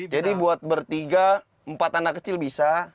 jadi buat bertiga empat anak kecil bisa